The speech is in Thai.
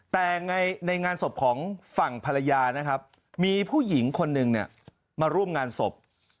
แต่ในงานศพของฝั่งภรรยานะครับมีผู้หญิงคนหนึ่งมาร่วมงานศพ